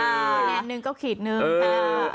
แนนหนึ่งก็ขีดนึง